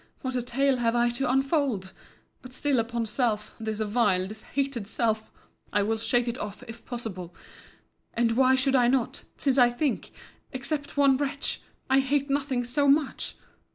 what a tale have I to unfold!—But still upon self, this vile, this hated self!—I will shake it off, if possible; and why should I not, since I think, except one wretch, I hate nothing so much?